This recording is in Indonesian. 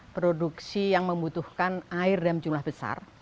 produksi yang membutuhkan air dalam jumlah besar